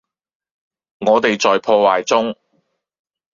我地在破壞中